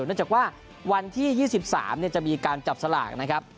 เนื่องจากว่าวันที่๒๓จะมีการจับสลากนะครับ